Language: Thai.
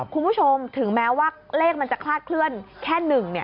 คุณผู้ชมถึงแม้ว่าเลขมันจะคลาดเคลื่อนแค่หนึ่งเนี่ย